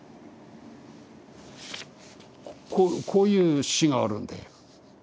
こういう詩があるんだよ。